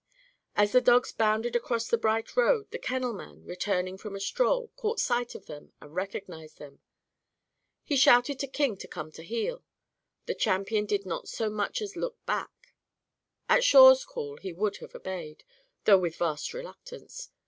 As the dogs bounded across the bright road, the kennelman, returning from a stroll, caught sight of them and recognised them. He shouted to King to come to heel. The champion did not so much as look back. At Shawe's call he would have obeyed though with vast reluctance.